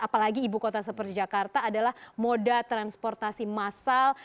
apalagi ibu kota seperti jakarta adalah moda transportasi massal